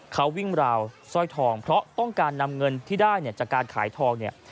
เขาวิ่งราวสร้อยทองเพราะต้องการนำเงินที่ได้เนี่ยจากการขายทองเนี่ย